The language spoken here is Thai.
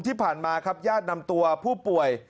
ที่ผ่านมาครับญาตินำตัวผู้ป่วย